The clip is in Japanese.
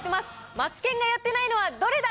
マツケンがやってないのはどれだ！